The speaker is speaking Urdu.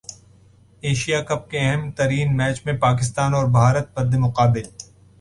ایشیا کپ کے اہم ترین میچ میں پاکستان اور بھارت مد مقابل